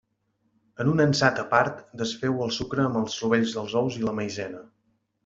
En un ansat a part, desfeu el sucre amb els rovells dels ous i la Maizena.